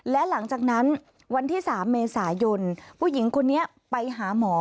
และหลังจากนั้นวันที่๓เมษายนผู้หญิงคนนี้ไปหาหมอ